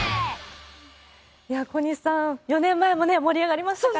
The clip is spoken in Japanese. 小西さん、４年前も盛り上がりましたからね。